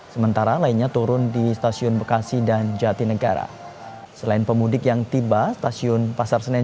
sementara lainnya turun di stasiun bekasi dan jatinegara selain pemudik yang tiba stasiun pasar senen